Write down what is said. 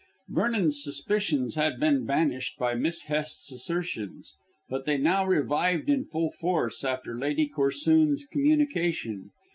Vernon's suspicions had been banished by Miss Hest's assertions, but they now revived in full force after Lady Corsoon's communication.